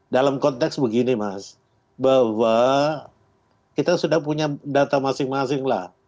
dalam konteks begini mas bahwa kita sudah punya data masing masing lah